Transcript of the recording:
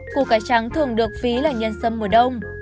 củ cải trắng thường được phí là nhân sâm mùa đông